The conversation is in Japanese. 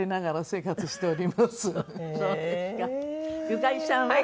ゆかりさんは？